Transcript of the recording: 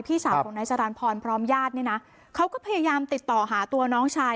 พี่สาวของนายสารันพรพร้อมญาติเนี่ยนะเขาก็พยายามติดต่อหาตัวน้องชาย